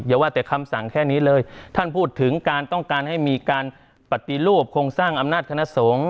อย่าว่าแต่คำสั่งแค่นี้เลยท่านพูดถึงการต้องการให้มีการปฏิรูปโครงสร้างอำนาจคณะสงฆ์